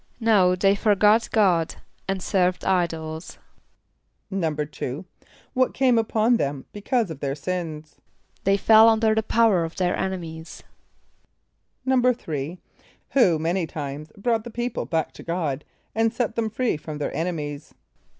=No, they forgot God, and served idols.= =2.= What came upon them because of their sins? =They fell under the power of their enemies.= =3.= Who many times brought the people back to God, and set them free from their enemies?